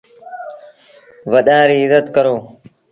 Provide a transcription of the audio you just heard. وڏآن ريٚ ازت ڪرو۔